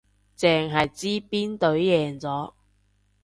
淨係知邊隊贏咗